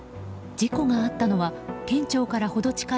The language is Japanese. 事故があったのは県庁から程近い